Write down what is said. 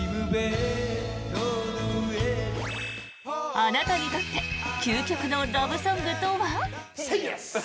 あなたにとって究極のラブソングとは？